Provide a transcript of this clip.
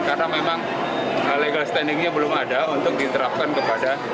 karena memang legal standingnya belum ada untuk diterapkan kepada